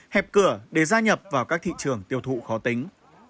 hẹp cửa để gia nhập vào các thị trường tiêu thụ khó tính